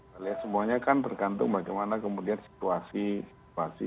ya semuanya kan tergantung bagaimana kemudian situasi situasi